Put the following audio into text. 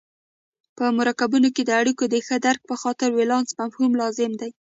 په مرکبونو کې د اړیکو د ښه درک په خاطر ولانس مفهوم لازم دی.